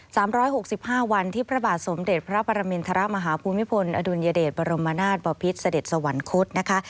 สามร้อยหกสิบห้าวันที่พระบาทสมเด็จพระปรมินทรมาฮภูมิพลอดุลยเดชบรมนาศบอพิษเสด็จสวรรคตนะคะ